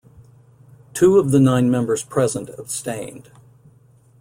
Two of the nine members present abstained.